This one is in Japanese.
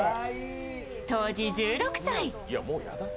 当時１６歳。